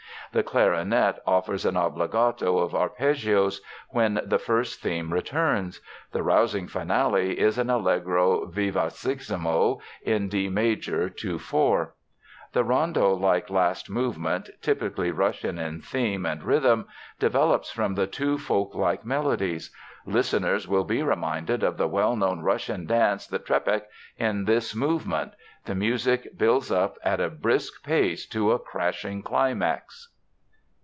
The clarinet offers an obbligato of arpeggios when the first theme returns. The rousing finale is an Allegro vivacissimo in D major, 2 4. The Rondo like last movement, typically Russian in theme and rhythm, develops from two folk like melodies. Listeners will be reminded of the well known Russian dance, the Trepak, in this movement. The music builds up at a brisk pace to a crashing climax.